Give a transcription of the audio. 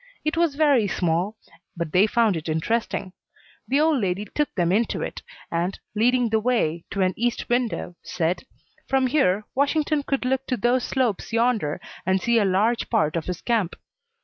It was very small, but they found it interesting. The old lady took them into it, and, leading the way to an east window, said: "From here Washington could look to those slopes yonder and see a large part of his camp."